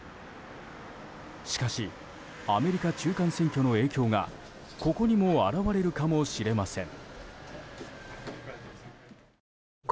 しかしアメリカ中間選挙の影響がここにも表れるかもしれません。